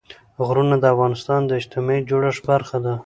غرونه د افغانستان د اجتماعي جوړښت برخه ده.